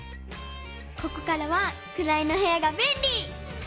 ここからは「くらいのへや」がべんり！